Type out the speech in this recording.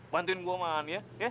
bantuin gue man ya